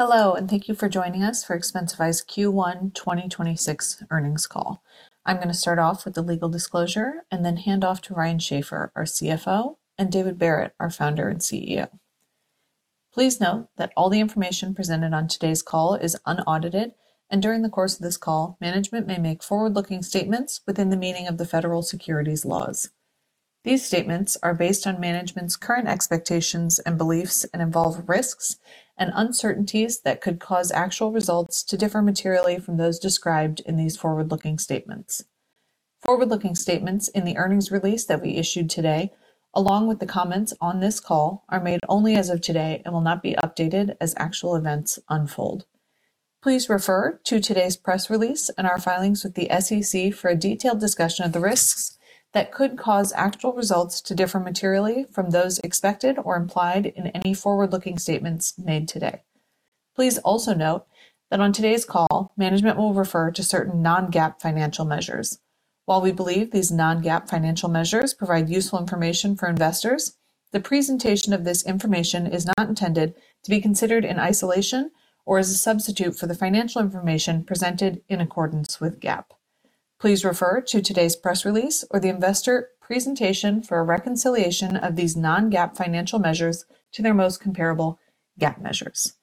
Hello. Thank you for joining us for Expensify's Q1 2026 earnings call. I'm gonna start off with the legal disclosure and then hand off to Ryan Schaffer, our CFO, and David Barrett, our Founder and CEO. Please note that all the information presented on today's call is unaudited, and during the course of this call, management may make forward-looking statements within the meaning of the Federal Securities laws. These statements are based on management's current expectations and beliefs, and involve risks and uncertainties that could cause actual results to differ materially from those described in these forward-looking statements. Forward-looking statements in the earnings release that we issued today, along with the comments on this call, are made only as of today and will not be updated as actual events unfold. Please refer to today's press release and our filings with the SEC for a detailed discussion of the risks that could cause actual results to differ materially from those expected or implied in any forward-looking statements made today. Please also note that on today's call, management will refer to certain non-GAAP financial measures. While we believe these non-GAAP financial measures provide useful information for investors, the presentation of this information is not intended to be considered in isolation or as a substitute for the financial information presented in accordance with GAAP. Please refer to today's press release or the investor presentation for a reconciliation of these non-GAAP financial measures to their most comparable GAAP measures.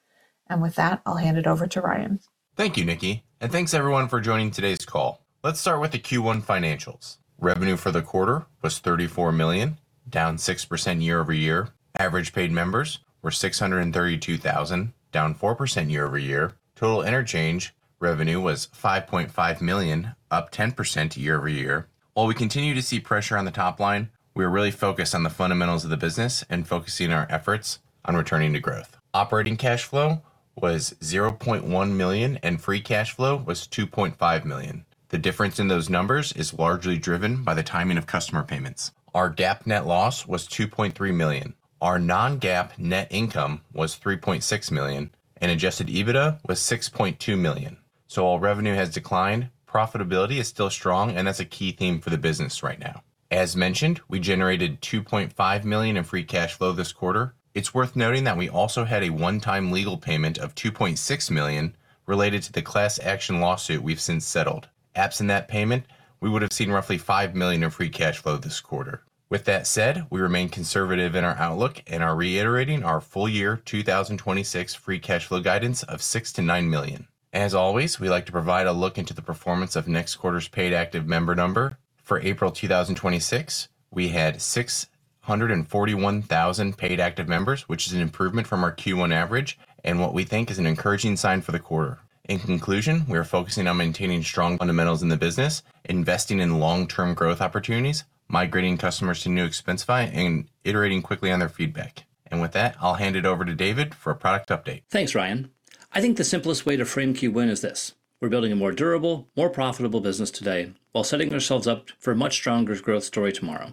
With that, I'll hand it over to Ryan. Thank you, Niki. Thanks everyone for joining today's call. Let's start with the Q1 financials. Revenue for the quarter was $34 million, down 6% year-over-year. Average paid members were 632,000, down 4% year-over-year. Total interchange revenue was $5.5 million, up 10% year-over-year. While we continue to see pressure on the top line, we are really focused on the fundamentals of the business and focusing our efforts on returning to growth. Operating cash flow was $0.1 million, and free cash flow was $2.5 million. The difference in those numbers is largely driven by the timing of customer payments. Our GAAP net loss was $2.3 million. Our non-GAAP net income was $3.6 million, and adjusted EBITDA was $6.2 million. While revenue has declined, profitability is still strong, and that's a key theme for the business right now. As mentioned, we generated $2.5 million in free cash flow this quarter. It's worth noting that we also had a one-time legal payment of $2.6 million related to the class action lawsuit we've since settled. Absent that payment, we would have seen roughly $5 million in free cash flow this quarter. That said, we remain conservative in our outlook and are reiterating our full year 2026 free cash flow guidance of $6 million-$9 million. Always, we like to provide a look into the performance of next quarter's paid active member number. For April 2026, we had 641,000 paid active members, which is an improvement from our Q1 average, and what we think is an encouraging sign for the quarter. In conclusion, we are focusing on maintaining strong fundamentals in the business, investing in long-term growth opportunities, migrating customers to New Expensify, and iterating quickly on their feedback. With that, I'll hand it over to David for a product update. Thanks, Ryan. I think the simplest way to frame Q1 is this: We're building a more durable, more profitable business today while setting ourselves up for a much stronger growth story tomorrow.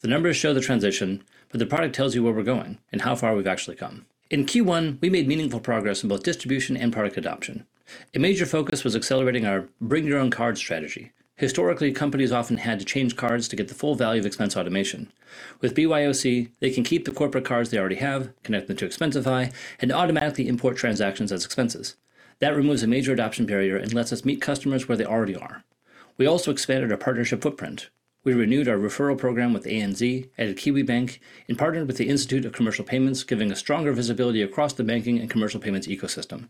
The numbers show the transition, the product tells you where we're going and how far we've actually come. In Q1, we made meaningful progress in both distribution and product adoption. A major focus was accelerating our bring your own card strategy. Historically, companies often had to change cards to get the full value of expense automation. With BYOC, they can keep the corporate cards they already have, connect them to Expensify, and automatically import transactions as expenses. That removes a major adoption barrier and lets us meet customers where they already are. We also expanded our partnership footprint. We renewed our referral program with ANZ, added Kiwibank, and partnered with the Institute of Commercial Payments, giving us stronger visibility across the banking and commercial payments ecosystem.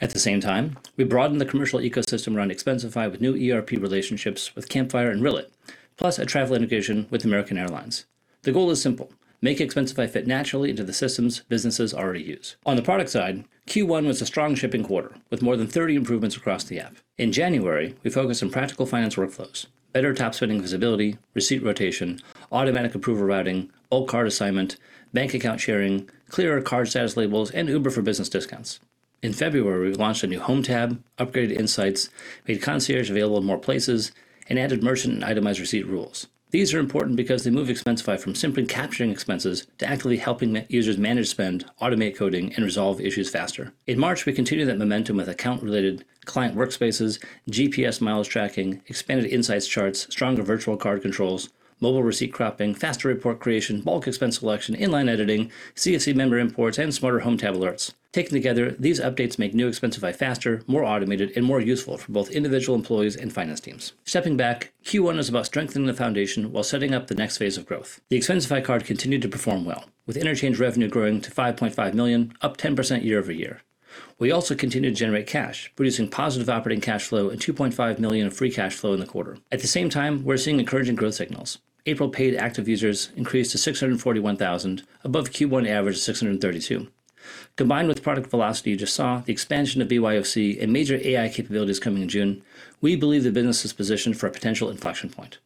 At the same time, we broadened the commercial ecosystem around Expensify with new ERP relationships with Campfire and Rillet, plus a travel integration with American Airlines. The goal is simple: Make Expensify fit naturally into the systems businesses already use. On the product side, Q1 was a strong shipping quarter with more than 30 improvements across the app. In January, we focused on practical finance workflows, better top-spending visibility, receipt rotation, automatic approval routing, old card assignment, bank account sharing, clearer card status labels, and Uber for Business discounts. In February, we launched a new home tab, upgraded insights, made Concierge available in more places, and added merchant and itemized receipt rules. These are important because they move Expensify from simply capturing expenses to actively helping users manage spend, automate coding, and resolve issues faster. In March, we continued that momentum with account-related client workspaces, GPS miles tracking, expanded insights charts, stronger virtual card controls, mobile receipt cropping, faster report creation, bulk expense selection, inline editing, CSV member imports, and smarter home tab alerts. Taken together, these updates make New Expensify faster, more automated, and more useful for both individual employees and finance teams. Stepping back, Q1 is about strengthening the foundation while setting up the next phase of growth. The Expensify Card continued to perform well, with interchange revenue growing to $5.5 million, up 10% year-over-year. We also continue to generate cash, producing positive operating cash flow and $2.5 million of free cash flow in the quarter. At the same time, we're seeing encouraging growth signals. April paid active users increased to 641,000, above the Q1 average of 632,000. Combined with the product velocity you just saw, the expansion of BYOC, and major AI capabilities coming in June, we believe the business is positioned for a potential inflection point.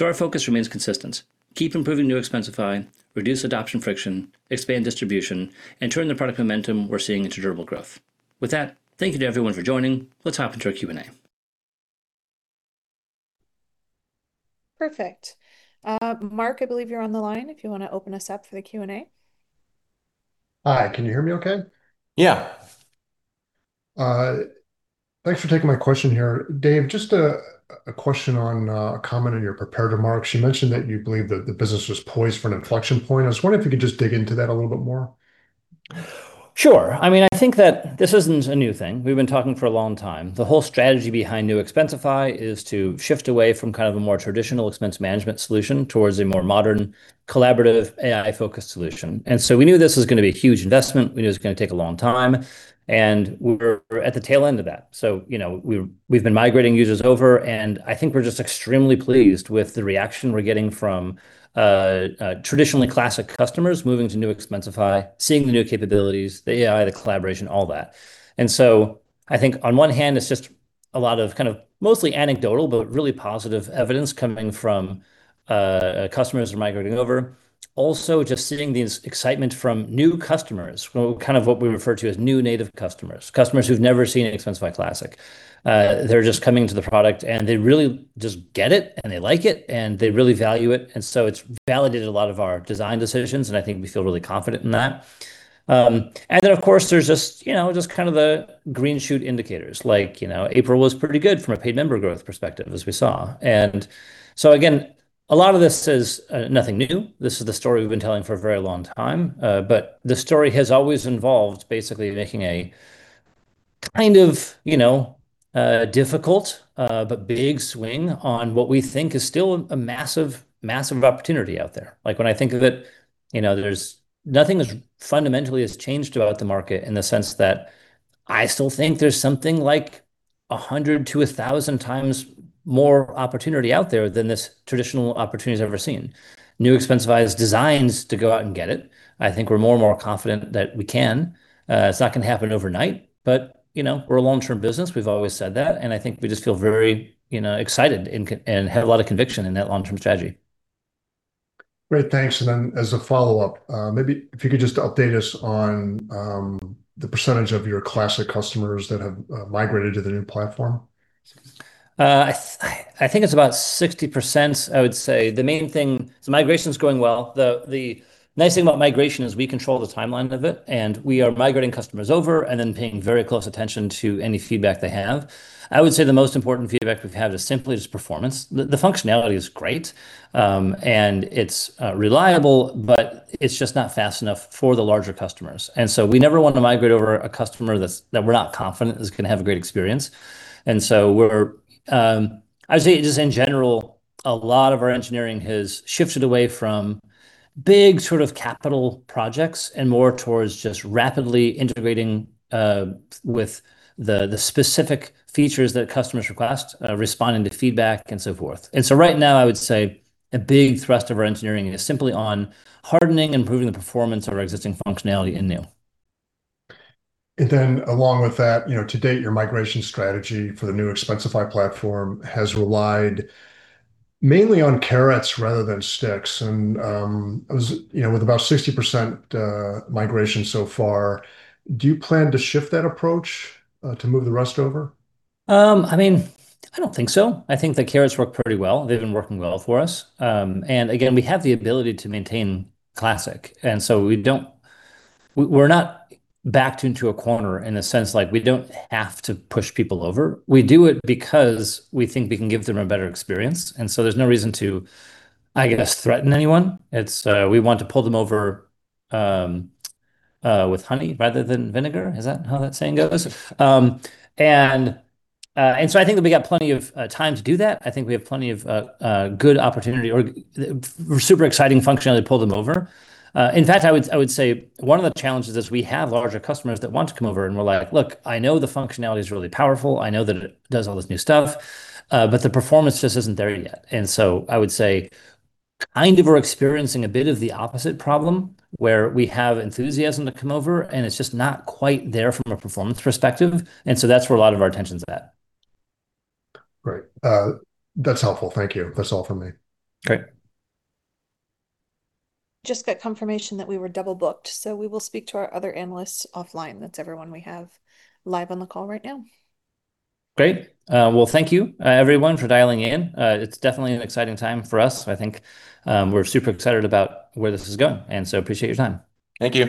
Our focus remains consistent. Keep improving New Expensify, reduce adoption friction, expand distribution, and turn the product momentum we're seeing into durable growth. With that, thank you to everyone for joining. Let's hop into our Q&A. Perfect. Mark, I believe you're on the line if you wanna open us up for the Q&A. Hi, can you hear me okay? Yeah. Thanks for taking my question here. Dave, just a question on a comment in your prepared remarks. You mentioned that you believe that the business was poised for an inflection point. I was wondering if you could just dig into that a little bit more. Sure. I mean, I think that this isn't a new thing. We've been talking for a long time. The whole strategy behind New Expensify is to shift away from kind of a more traditional expense management solution towards a more modern, collaborative, AI-focused solution. We knew this was gonna be a huge investment, we knew it was gonna take a long time, and we're at the tail end of that. You know, we've been migrating users over, and I think we're just extremely pleased with the reaction we're getting from traditionally Classic customers moving to New Expensify, seeing the new capabilities, the AI, the collaboration, all that. I think on one hand it's just a lot of kind of mostly anecdotal, but really positive evidence coming from customers who are migrating over. Also, just seeing the excitement from new customers. Well, kind of what we refer to as new native customers who've never seen an Expensify Classic. They're just coming to the product, and they really just get it, and they like it, and they really value it. It's validated a lot of our design decisions, and I think we feel really confident in that. Of course there's just, you know, just kind of the green shoot indicators, like, you know, April was pretty good from a paid member growth perspective, as we saw. Again, a lot of this is nothing new. This is the story we've been telling for a very long time. The story has always involved basically making a kind of, you know, difficult, but big swing on what we think is still a massive opportunity out there. Like, when I think of it, you know, there's nothing has fundamentally changed about the market in the sense that I still think there's something like 100-1,000 times more opportunity out there than this traditional opportunity's ever seen. New Expensify is designed to go out and get it. I think we're more and more confident that we can. It's not going to happen overnight but, you know, we're a long-term business. We've always said that, and I think we just feel very, you know, excited and have a lot of conviction in that long-term strategy. Great. Thanks. As a follow-up, maybe if you could just update us on the % of your Classic customers that have migrated to New Expensify. I think it's about 60%, I would say. The main thing. Migration's going well. The nice thing about migration is we control the timeline of it, and we are migrating customers over and then paying very close attention to any feedback they have. I would say the most important feedback we've had is simply just performance. The functionality is great, and it's reliable, but it's just not fast enough for the larger customers. We never want to migrate over a customer that we're not confident is gonna have a great experience. I would say just in general, a lot of our engineering has shifted away from big sort of capital projects and more towards just rapidly integrating with the specific features that customers request, responding to feedback and so forth. Right now, I would say a big thrust of our engineering is simply on hardening and improving the performance of our existing functionality in new. Along with that, you know, to date, your migration strategy for the New Expensify platform has relied mainly on carrots rather than sticks. I was, you know, with about 60% migration so far, do you plan to shift that approach to move the rest over? I mean, I don't think so. I think the carrots work pretty well. They've been working well for us. Again, we have the ability to maintain Classic, and so we don't, we're not backed into a corner in a sense, like we don't have to push people over. We do it because we think we can give them a better experience, and so there's no reason to, I guess, threaten anyone. It's, we want to pull them over with honey rather than vinegar. Is that how that saying goes? I think that we got plenty of time to do that. I think we have plenty of good opportunity or super exciting functionality to pull them over. In fact, I would say one of the challenges is we have larger customers that want to come over and we're like, "Look, I know the functionality is really powerful. I know that it does all this new stuff, but the performance just isn't there yet." So I would say kind of we're experiencing a bit of the opposite problem, where we have enthusiasm to come over, and it's just not quite there from a performance perspective. So that's where a lot of our attention's at. Great. That's helpful. Thank you. That's all for me. Great. Just got confirmation that we were double-booked, so we will speak to our other analysts offline. That's everyone we have live on the call right now. Great. Well, thank you, everyone for dialing in. It's definitely an exciting time for us. I think, we're super excited about where this is going, and so appreciate your time. Thank you.